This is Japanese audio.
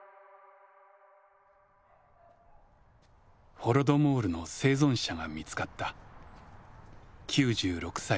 ホロドモールの生存者が見つかった。